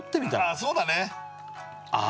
ああそうだねああ